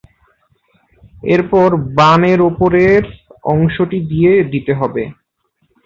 এরপর বান এর উপরের অংশটি দিয়ে দিতে হবে।